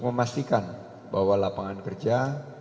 memastikan bahwa lapangan kerja